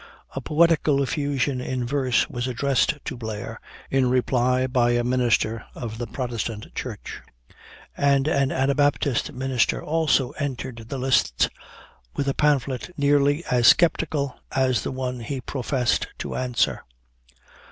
A poetical effusion in verse was addressed to Blair in reply by a minister of the Protestant Church; and an Anabaptist minister also entered the lists with a pamphlet nearly as sceptical as the one he professed to answer.